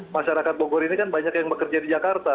masyarakat bogor ini kan banyak yang bekerja di jakarta